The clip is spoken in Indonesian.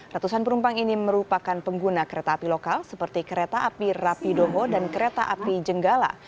ratusan penumpang ini merupakan pengguna kereta api lokal seperti kereta api rapidoho dan kereta api jenggala